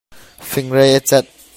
Fingrei a cat.